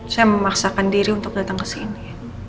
saya memaksakan diri untuk datang kesini